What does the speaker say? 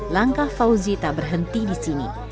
langkah fauzi tak berhenti di sini